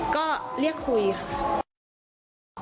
ก็เรียกคุยค่ะ